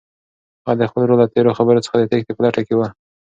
هغه د خپل ورور له تېرو خبرو څخه د تېښتې په لټه کې وه.